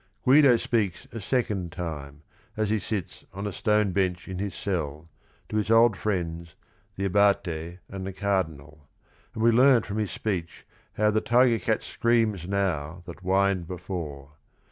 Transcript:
Guido speaks a second time, as he sits "on a stone bench" in his cell, to his old friends, the abate and the cardinal; and we learn from his speech how "the tiger cat screams now that whined before."